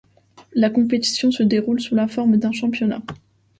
La compétition se déroule sous la forme d'un championnat.